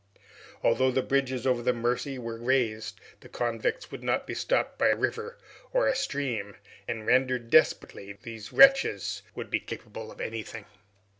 Although the bridges over the Mercy were raised, the convicts would not be stopped by a river or a stream and, rendered desperate, these wretches would be capable of anything.